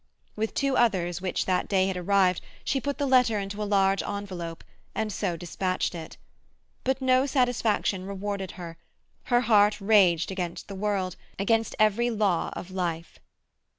With two others which that day had arrived she put the letter into a large envelope, and so dispatched it. But no satisfaction rewarded her; her heart raged against the world, against every law of life.